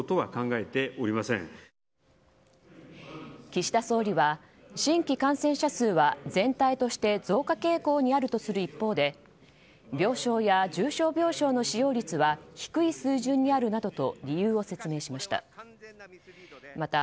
岸田総理は新規感染者数は全体として増加傾向にあるとする一方で病床や重症病床の使用率は低い水準にあると理由を説明しました。